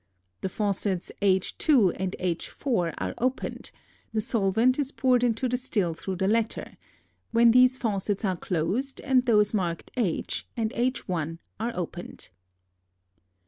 The faucets H_ and H_ are opened, the solvent is poured into the still through the latter, when these faucets are closed and those marked H and H_ are opened.